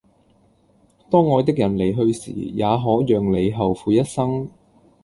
當愛的人離去時也可讓你後悔一生